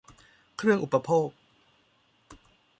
เครื่องอุปโภค